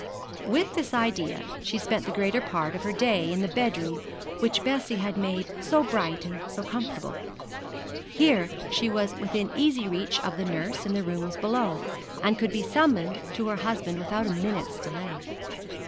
With this idea she spent the greater part of her day in the bedroom which Bessie had made so bright and so comfortable. Here she was within easy reach of the nurse in the rooms below, and could be summoned to her husband without a minute's delay.